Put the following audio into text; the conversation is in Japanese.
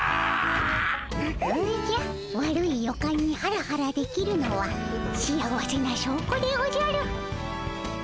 おじゃ悪い予感にハラハラできるのは幸せなしょうこでおじゃる。